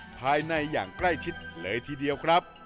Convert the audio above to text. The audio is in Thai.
ภายในอย่างใกล้ชิดเลยทีเดียวครับ